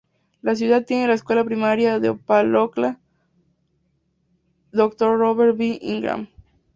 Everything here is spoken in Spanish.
La ciudad tiene la Escuela Primaria de Opa-Locka Dr. Robert B. Ingram.